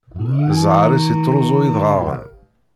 Zzheṛ-is ittṛuẓu idɣaɣen.